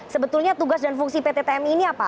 sebetulnya tugas dan fungsi pt tmi ini apa